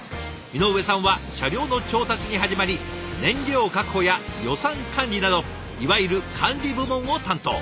井上さんは車両の調達に始まり燃料確保や予算管理などいわゆる管理部門を担当。